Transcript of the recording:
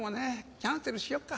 キャンセルしよっか。